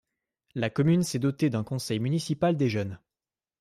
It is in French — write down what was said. La commune s'est dotée d'un conseil municipal des jeunes.